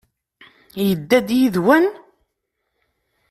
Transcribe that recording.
Yedda-d yid-wen?